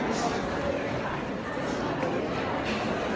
มีคนใกล้อีก